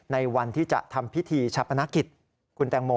ในวันที่จะทำพิธีชาปนกิจคุณแตงโม